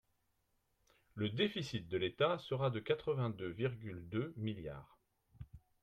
Le déficit de l’État sera de quatre-vingt-deux virgule deux milliards.